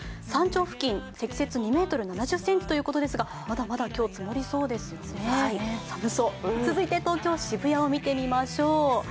山頂付近、積雪２ｍ７０ｃｍということですがまだまだ今日、積もりそうですよね続いて、東京・渋谷を見てみましょう。